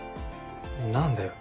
何だよ。